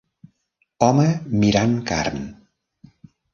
Home mirant carn.